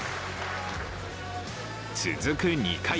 続く２回。